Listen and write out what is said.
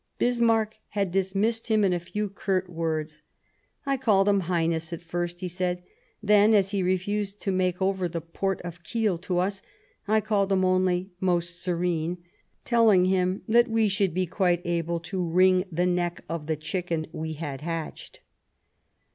Bismarck had dismissed him in a few curt words :" I called him ' Highness ' at first," he said ;" then, as he refused to make over the Port of Kiel to us, I called him only ' Most Serene,' telling him that we should be quite able to wring the neck of the chicken we had hatched."